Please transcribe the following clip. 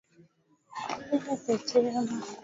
Akuna tena mwanaume na mwanamuke muku rima